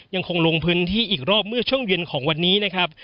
ยังคงลงพื้นที่อีกรอบเมื่อช่วงเย็นของวันนี้นะครับ